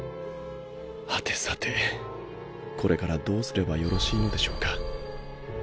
はてさてこれからどうすればよろしいのでしょうか？